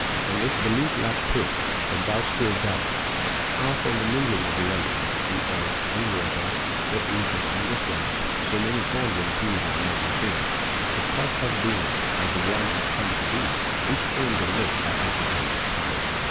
And if belief lack pith, and thou still doubt How from the mingling of the elements, The Earth and Water, the Ether and the Sun, So many forms and hues of mortal things Could thus have being, as have come to be, Each framed and knit by Aphrodite's power...